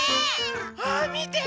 あっみて！